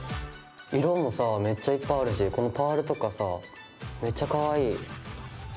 色もさめっちゃいっぱいあるしこのパールとかさめっちゃかわいい！